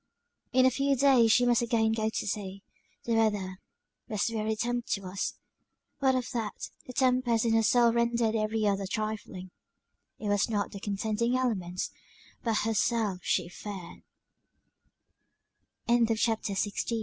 In a few days she must again go to sea; the weather was very tempestuous what of that, the tempest in her soul rendered every other trifling it was not the contending elements, but _hersel